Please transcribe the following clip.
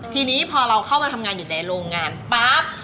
ทีนี้พอเราเข้ามาทำงานอยู่ในโรงงานปั๊บ